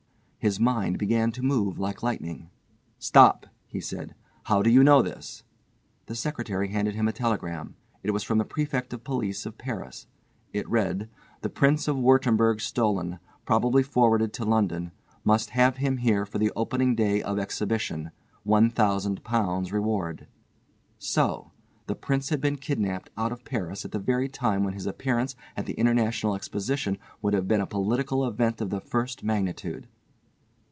His mind began to move like lightning. "Stop!" he said, "how do you know this?" The secretary handed him a telegram. It was from the Prefect of Police of Paris. It read: "The Prince of Wurttemberg stolen. Probably forwarded to London. Must have him here for the opening day of Exhibition. £1,000 reward." So! The Prince had been kidnapped out of Paris at the very time when his appearance at the International Exposition would have been a political event of the first magnitude.